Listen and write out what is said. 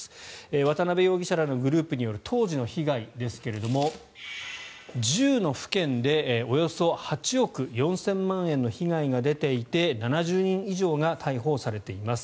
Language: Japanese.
渡邉容疑者らのグループによる当時の被害ですが１０の府県でおよそ８億４０００万円の被害が出ていて７０人以上が逮捕されています。